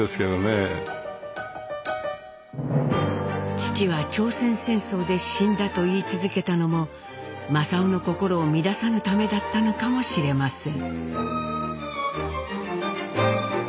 「父は朝鮮戦争で死んだ」と言い続けたのも正雄の心を乱さぬためだったのかもしれません。